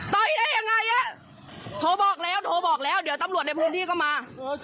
ได้ยังไงอ่ะโทรบอกแล้วโทรบอกแล้วเดี๋ยวตำรวจในพื้นที่ก็มา